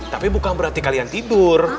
tapi bukan berarti kalian tidur